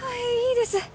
いいです